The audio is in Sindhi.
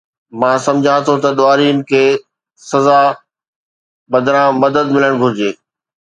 مان سمجهان ٿو ته ڏوهارين کي سزا بدران مدد ملڻ گهرجي